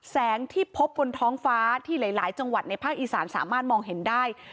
แสงที่พบบนท้องฟ้าที่หลายจังหวัดในภาคอีสานสามารถมองเห็นได้